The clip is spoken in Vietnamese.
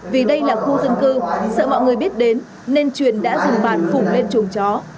vì đây là khu dân cư sợ mọi người biết đến nên truyền đã dùng bàn phủng lên chuồng chó